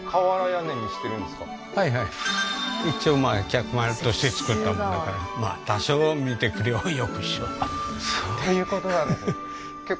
一応まあ客間として造ったもんだから多少見てくれをよくしようとそういうことなんですね